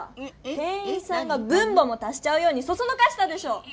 店員さんが分母もたしちゃうようにそそのかしたでしょ！